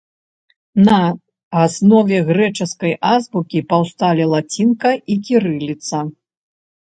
На аснове грэчаскай азбукі паўсталі лацінка і кірыліца.